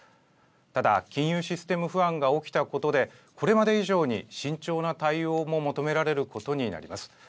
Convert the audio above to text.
ただ金融システム不安が起きたことで、これまで以上に慎重な対応も求められることになります。